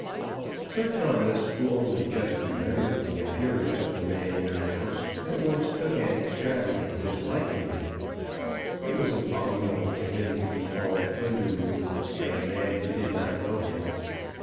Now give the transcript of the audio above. Sir Thomas, who only just remembered the appearance of the man in the House, at once took an extravagant dislike to him. It was abominable to him to be called Underwood by a man who did not know him.